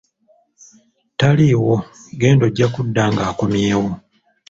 "Taliiwo, genda ojja kudda ng'akomyewo."